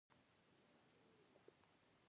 • بادام د بدن د دفاعي سیستم پیاوړی کوي.